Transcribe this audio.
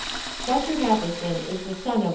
Dr. Matheson is the son of Wm.